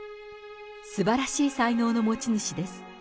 すばらしい才能の持ち主です。